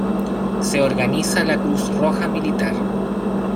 Se organiza la Cruz Roja Militar.